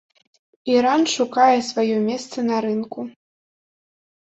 Іран шукае сваё месца на рынку.